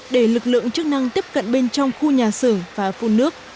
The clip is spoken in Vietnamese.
để lực lượng chức năng tiếp cận bên trong khu nhà xưởng và phun nước